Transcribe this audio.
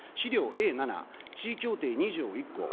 Ａ７、地位協定２条１項。